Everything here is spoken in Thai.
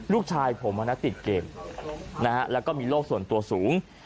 ลูกชายผมติดเกมแล้วก็มีโรคส่วนตัวสูง